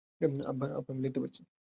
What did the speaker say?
আব্বা আমি দেখতে পাচ্ছি।